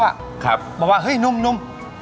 บอกว่าหนุ่ม